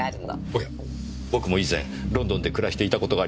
おや僕も以前ロンドンで暮らしていた事があります。